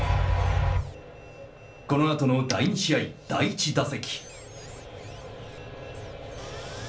このあとの第２試合、第１打席。